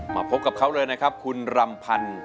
พบกับเขาเลยนะครับคุณรำพันธ์